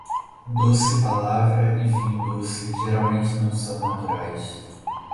Doce palavra e vinho doce geralmente não são naturais.